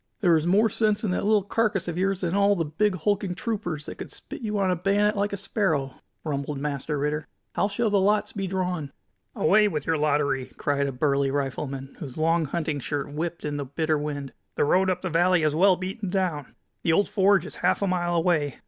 "There is more sense in that little carcass of yours than in all those big, hulking troopers, that could spit you on a bayonet like a sparrow!" rumbled Master Ritter. "How shall the lots be drawn?" "Away with your lottery!" cried a burly rifleman, whose long hunting shirt whipped in the bitter wind. "The road up the valley is well beaten down. The old forge is half a mile away.